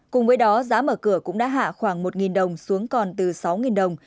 cùng với đó giá mở cửa cũng đã hạ khoảng một đồng xuống còn từ sáu đồng